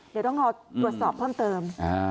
เดี๋ยวต้องรอตรวจสอบเพิ่มเติม